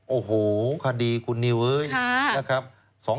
โอ้โหคดีคุณนิวอื่น